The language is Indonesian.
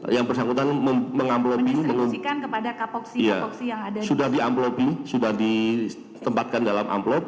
yang bersangkutan mengamplopi sudah diamplopi sudah ditempatkan dalam amplop